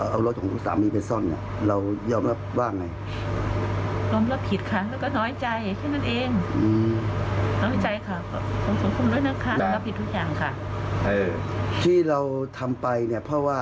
เอารถของสามีเป็นซ่อนเรายอมรับว่าอย่างไร